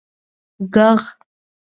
ږغ